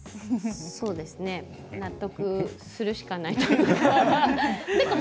そうですね納得するしかないというか。